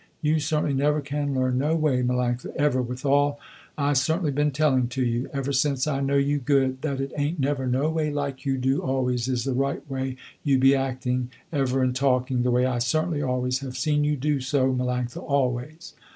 You certainly never can learn no way Melanctha ever with all I certainly been telling to you, ever since I know you good, that it ain't never no way like you do always is the right way you be acting ever and talking, the way I certainly always have seen you do so Melanctha always.